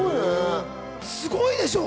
すごいでしょ。